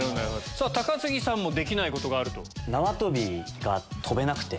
高杉さんもできないことがある。